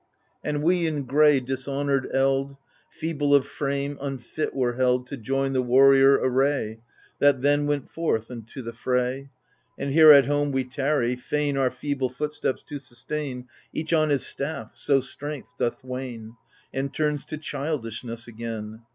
^ And we in gray dishonoured eld, Feeble of frame, unfit were held To join the warrior array That then went forth unto the fray : And here at home we tarry, fain Our feeble footsteps to sustain, Each on his staff — so strength doth wane. And turns to childishness again.